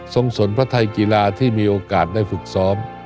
สนพระไทยกีฬาที่มีโอกาสได้ฝึกซ้อม